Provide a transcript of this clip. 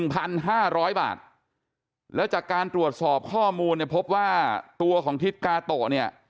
๗๗๐๐๐๐บาท๑๕๐๐บาทแล้วจากการตรวจสอบข้อมูลพบว่าตัวของทิศกาโตะเนี่ย